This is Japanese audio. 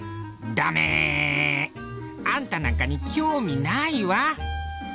「駄目っ！あんたなんかに興味ないわ」。